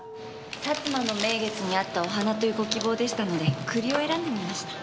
薩摩の名月に合ったお花というご希望でしたので栗を選んでみました。